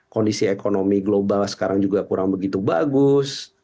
kondisi ekonomi global sekarang juga kurang begitu bagus